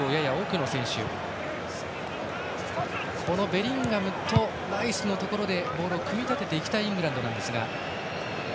ベリンガムとライスのところでボールを組み立てていきたいイングランドなんですが。